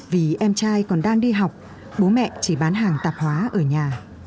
vì em trai còn đang đi học bố mẹ chỉ bán hàng tạp hóa ở nhà